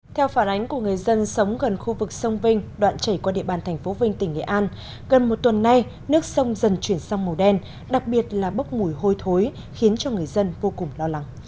theo phản ánh của người dân sống gần khu vực sông vinh đoạn chảy qua địa bàn tp vinh tỉnh nghệ an gần một tuần nay nước sông dần chuyển sang màu đen đặc biệt là bốc mùi hôi thối khiến cho người dân vô cùng lo lắng